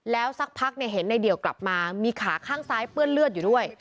แล้วสักพักเห็นในเดี่ยวกลับมามีขาข้างซ้ายเปื้อนเลือดอยู่ด้วย